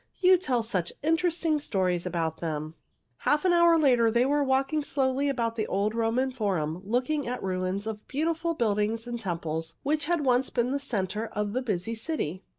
You tell such interesting stories about them." Half an hour later they were walking slowly about the old Roman Forum looking at ruins of beautiful buildings and temples which had once been the center of the busy city.